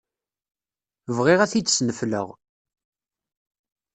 Bɣiɣ ad t-id-snefleɣ.